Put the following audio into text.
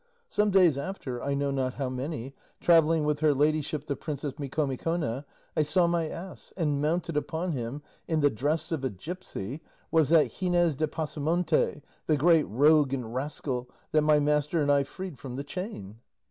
Some days after, I know not how many, travelling with her ladyship the Princess Micomicona, I saw my ass, and mounted upon him, in the dress of a gipsy, was that Gines de Pasamonte, the great rogue and rascal that my master and I freed from the chain."